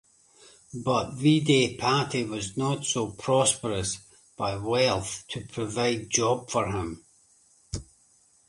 But Vidyapati was not so prosperous by wealth to provide job for him.